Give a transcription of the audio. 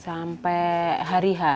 sampai hari h